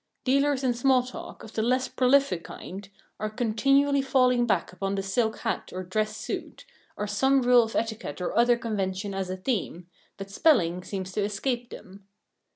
Dealers in small talk, of the less prolific kind, are continually falling back upon the silk hat or dress suit, or some rule of etiquette or other convention as a theme, but spelling seems to escape them.